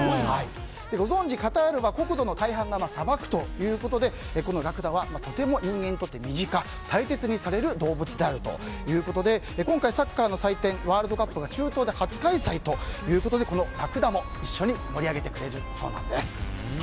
ご存じ、カタールは国土の大半が砂漠ということでこのラクダはとても人間にとって身近大切にされる動物であるということで今回、サッカーの祭典ワールドカップが中東で初開催ということでラクダも一緒に盛り上げてくれるそうなんです。